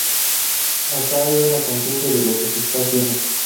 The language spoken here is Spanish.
Acá hay una conciencia de lo que se está haciendo.